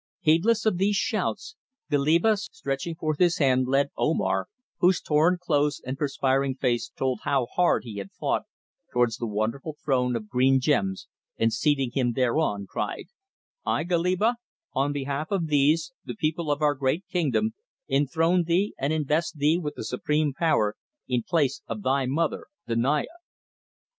Heedless of these shouts, Goliba, stretching forth his hand, led Omar, whose torn clothes and perspiring face told how hard he had fought, towards the wonderful throne of green gems, and seating him thereon, cried: "I, Goliba, on behalf of these, the people of our great kingdom, enthrone thee and invest thee with the supreme power in place of thy mother, the Naya."